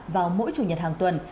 vào mỗi chủ nhật hàng tuần